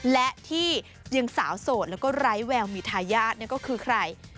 และที่ยังสาวโสดแล้วก็ไร้แววมีทายาทก็คือใคร